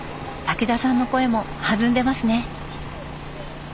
武田さんの声も弾んでますね。